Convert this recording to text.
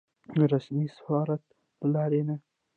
رسمي سفارت له لارې نه.